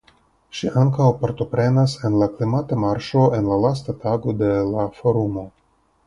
Ŝi ankaŭ partoprenas en la klimata marŝo en la lasta tago de la Forumo.